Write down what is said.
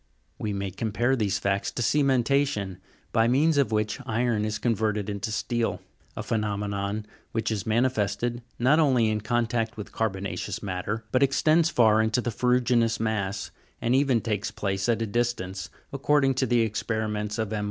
We may compare these facts to ctmenta'tion, by means of which iron is converted into steel ; a phenomenon which is manifested not only in contact with carbona'ceous matter, but extends far into the ferru'ginous mass, and even takes place at a distance, according to the experiments of M.